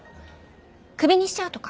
クビにしちゃうとか。